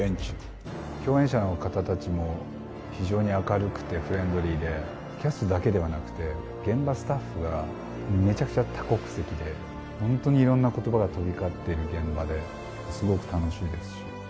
共演者の方たちも、非常に明るくてフレンドリーで、キャストだけではなくて、現場スタッフがめちゃくちゃ多国籍で、本当にいろんなことばが飛び交っている現場で、すごく楽しいです。